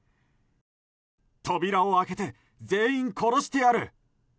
扉を開けて全員殺してやる。